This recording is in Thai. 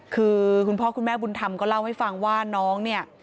คือคุณพ่อคุณแม่บุญธรรมก็เล่าให้ฟังว่าน้องเนี่ย